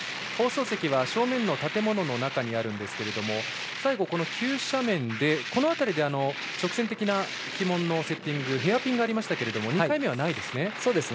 放送席は正面の建物の中にありますが最後、急斜面で直線的な旗門のセッティングヘアピンがありましたけれども２回目はないですね。